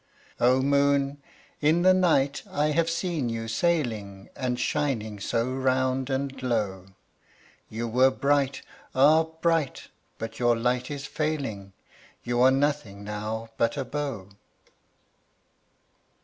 O moon! in the night I have seen you sailing And shining so round and low; You were bright! ah bright! but your light is failing You are nothing now but a bow.